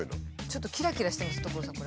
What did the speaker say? ちょっとキラキラしてます所さん